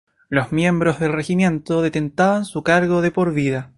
Los miembros del Regimiento detentaban su cargo de por vida.